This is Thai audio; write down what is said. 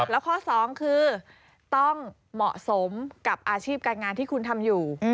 แล้วข้อ๒คือต้องเหมาะสมกับอาชีพการงานที่คุณทำอยู่